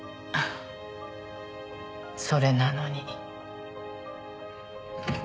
それなのに。